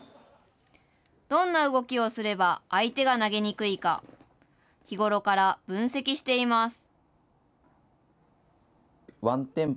どんな動きをすれば相手が投げにくいか、日頃から分析しています。